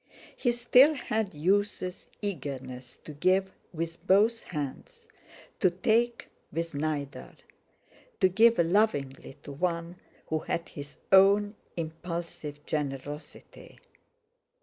He still had Youth's eagerness to give with both hands, to take with neither—to give lovingly to one who had his own impulsive generosity.